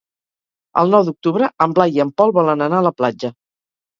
El nou d'octubre en Blai i en Pol volen anar a la platja.